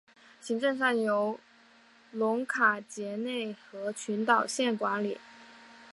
行政上由庞卡杰内和群岛县管理。